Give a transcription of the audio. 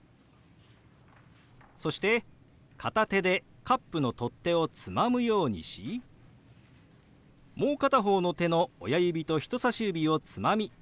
そして片手でカップの取っ手をつまむようにしもう片方の手の親指と人さし指をつまみかき混ぜるように動かします。